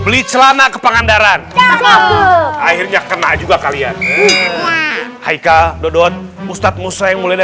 beli celana kepengandaran akhirnya kena juga kalian hai ka dodot ustadz musreng mulia